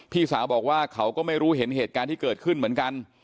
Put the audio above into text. พี่สาวบอกว่าเขาก็ไม่รู้เห็นเหตุการณ์ที่เกิดขึ้นเหมือนกัน